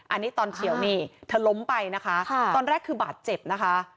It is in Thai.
อันนี้ตอนเขียวนี่เธอล้มไปนะคะตอนแรกคือบาดเจ็บนะคะ